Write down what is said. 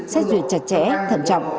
xét duyệt chặt chẽ thẩm trọng